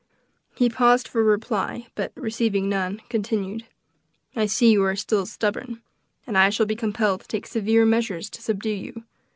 He paused for a reply, but receiving none, continued: "I see you are still stubborn, and I shall be compelled to take severe measures to subdue you.